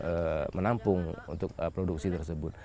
kita terus menampung untuk produksi tersebut